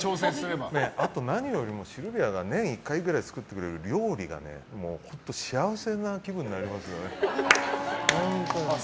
あと、何よりもシルビアが年１回くらい作ってくれる料理がね、もう本当幸せな気分になりますよね。